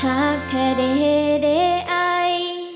หากที่แท้ได้ให้ด้วยไอ